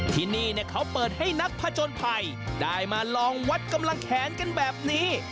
ที่นี่เขาเปิดให้นักผจญภัยได้มาลองวัดกำลังแขนกันแบบนี้